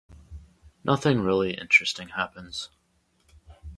Nothing really interesting happens.